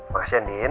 makasih ya din